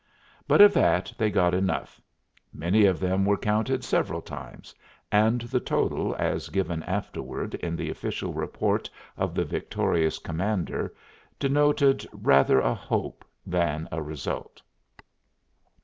But of that they got enough: many of them were counted several times, and the total, as given afterward in the official report of the victorious commander, denoted rather a hope than a result.